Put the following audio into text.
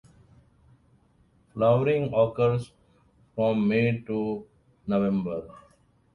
Flowering occurs from May to November.